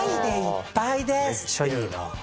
めっちゃいいな。